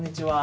こんにちは。